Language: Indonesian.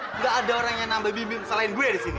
nggak ada orang yang namanya bimbing selain gue di sini